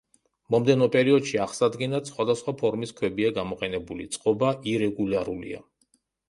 მომდევნო პერიოდში აღსადგენად სხვადასხვა ფორმის ქვებია გამოყენებული, წყობა ირეგულარულია.